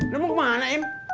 lu mau ke mana im